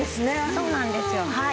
そうなんですよはい。